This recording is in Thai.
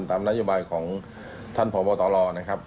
ตามนัยจุบัติของท่านผอบตลนะครับ